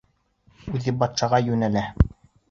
Үҙе батшаға йүнәлә.